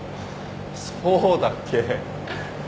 そうだっけ。